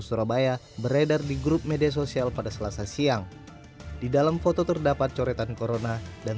surabaya beredar di grup media sosial pada selasa siang di dalam foto terdapat coretan corona dan